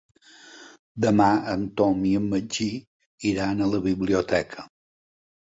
Demà en Tom i en Magí iran a la biblioteca.